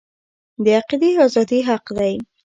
د عقیدې ازادي حق دی